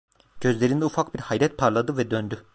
Gözlerinde ufak bir hayret parladı ve döndü.